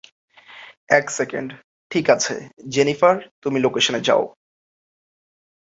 এক সেকেন্ড, ঠিক আছে, জেনিফার, তুমি লোকেশনে যাও।